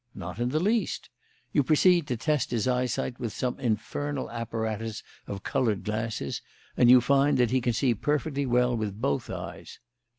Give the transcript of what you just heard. Not in the least. You proceed to test his eyesight with some infernal apparatus of coloured glasses, and you find that he can see perfectly well with both eyes.